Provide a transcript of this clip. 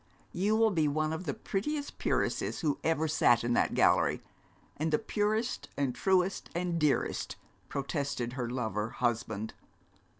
'You will be one of the prettiest peeresses who ever sat in that gallery, and the purest, and truest, and dearest,' protested her lover husband.